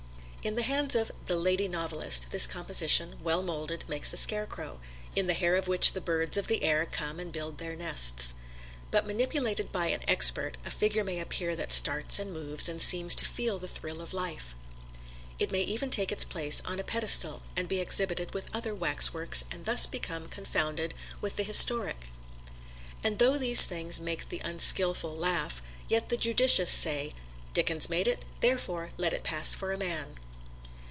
In the hands of "the lady novelist" this composition, well molded, makes a scarecrow, in the hair of which the birds of the air come and build their nests. But manipulated by an expert a figure may appear that starts and moves and seems to feel the thrill of life. It may even take its place on a pedestal and be exhibited with other waxworks and thus become confounded with the historic And though these things make the unskilful laugh, yet the judicious say, "Dickens made it, therefore let it pass for a man."